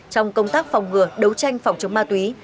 trong công tác phòng ngừa đấu tranh phòng chống ma túy